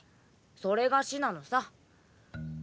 それが死なのさ。